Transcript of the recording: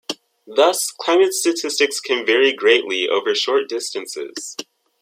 Thus climatic statistics can vary greatly over short distances.